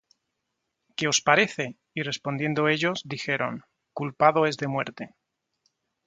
¿Qué os parece? Y respondiendo ellos, dijeron: Culpado es de muerte.